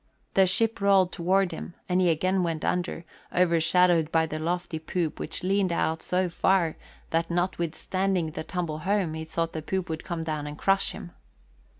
The ship rolled toward him and he again went under, overshadowed by the lofty poop which leaned out so far that notwithstanding the tumble home he thought the poop would come down and crush him.